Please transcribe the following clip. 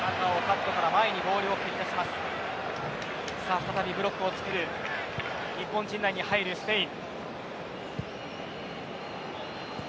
再びブロックをつくる日本陣内に入るスペイン。